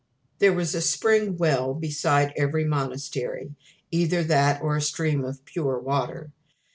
There was a spring well beside every monastery, either that, or a stream of pure water.